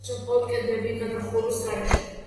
მისგან დარჩა მხოლოდ კედლები გადახურვის გარეშე.